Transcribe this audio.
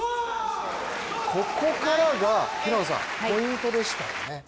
ここからが平野さん、ポイントでしたね。